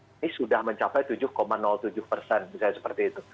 ini sudah mencapai tujuh tujuh persen misalnya seperti itu